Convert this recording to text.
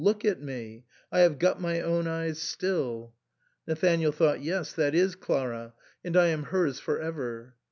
Look at me, I have got my own eyes still. Nathanael thought, "Yes, that is Clara, and I am hers for ever."